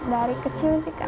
dari kecil sih kak